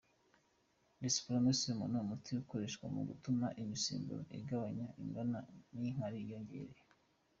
Desmopressin ni umuti ukoreshwa mu gutuma imisemburo igabanya ingano y’inkari yiyongera.